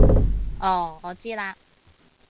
哦我知喇